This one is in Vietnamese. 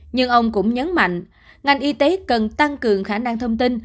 nhưng ông cũng nhấn mạnh ngành y tế cần tăng cường khả năng thông tin